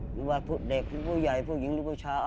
ว่าเด็กหรือผู้ใหญ่ผู้หญิงหรือผู้ชาย